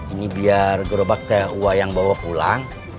ini biar gerobak teh wah yang bawa pulang